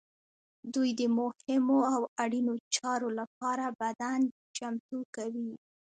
دوی د مهمو او اړینو چارو لپاره بدن چمتو کوي.